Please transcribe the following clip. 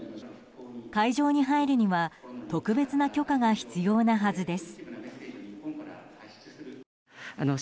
会場に入るには特別な許可が必要なはずです。